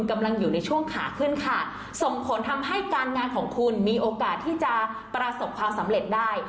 กำลังอยู่ในช่วงขาขึ้นค่ะส่งผลทำให้การงานของคุณมีโอกาสที่จะประสบความสำเร็จได้